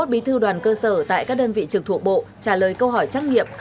một trăm sáu mươi một bí thư đoàn cơ sở tại các đơn vị trực thụ bộ trả lời câu hỏi trắc nghiệm